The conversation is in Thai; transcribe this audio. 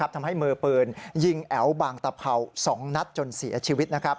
ทำให้มือปืนยิงแอ๋วบางตะเผา๒นัดจนเสียชีวิต